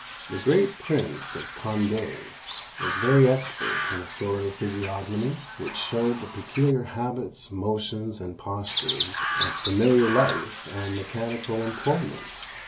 The great Prince of Condé was very expert in a sort of physiognomy which showed the peculiar habits, motions, and postures of familiar life and mechanical employments.